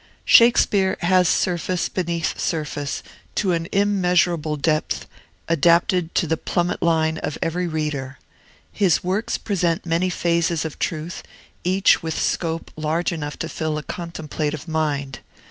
Shakespeare has surface beneath surface, to an immeasurable depth, adapted to the plummet line of every reader; his works present many phases of truth, each with scope large enough to fill a contemplative mind.